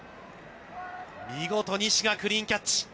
見事西がクリーンキャッチ。